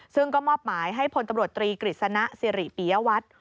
ซึ่งก็มอบหมายให้พลตำรวจตรีกฤษณะสิริปิยวัตร